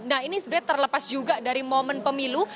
nah ini sebenarnya terlepas juga dari momen pemilu